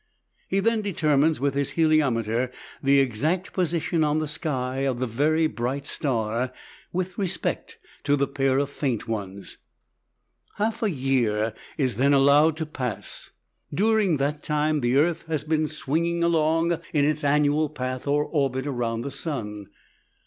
He then determines with his heliometer the exact position on the sky of the bright star with respect to the pair of faint ones. Half a year is then allowed to pass. During that time the earth has been swinging along in its annual path or orbit around the sun.